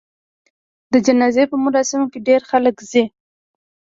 د جنازې په مراسمو کې ډېر خلک ځي.